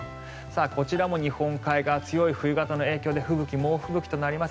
こちらも日本海側強い冬型の影響で吹雪、猛吹雪となります。